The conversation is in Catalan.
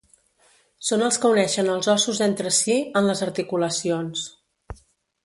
Són els que uneixen als ossos entre si, en les articulacions.